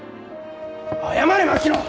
謝れ槙野！